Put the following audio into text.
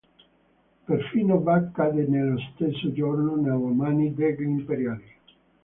Perfino Vác cadde nello stesso giorno nelle mani degli imperiali.